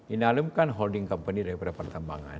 inalum kan holding company daripada pertambangan